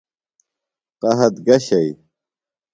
قحط گہ شئی ؟